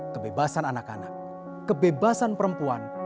kebebasan anak anak kebebasan perempuan